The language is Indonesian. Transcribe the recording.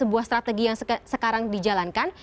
sebuah strategi yang sekarang dijalankan